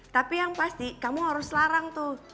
tapi yang pasti kamu harus larang tuh